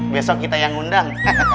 besok kita yang undang